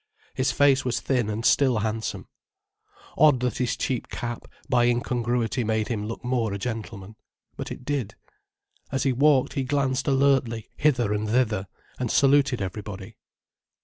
His face was thin and still handsome. Odd that his cheap cap, by incongruity, made him look more a gentleman. But it did. As he walked he glanced alertly hither and thither, and saluted everybody.